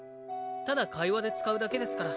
ただ会話で使うだけですから。